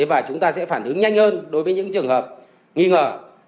và chúng ta sẽ phản ứng nhanh hơn đối với những trường hợp nghi ngờ